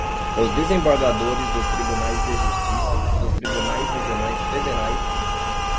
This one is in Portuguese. os desembargadores dos Tribunais de Justiça, dos Tribunais Regionais Federais